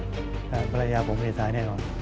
อเจมส์วิธีพลังภาคบริษัทราชาวิทยาลัยแน่นอน